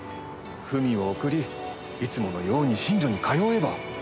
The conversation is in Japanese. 文を送りいつものように寝所に通えば。